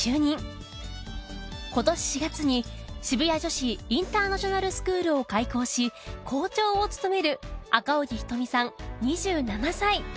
今年４月に渋谷女子インターナショナルスクールを開校し校長を務める赤荻瞳さん２７歳。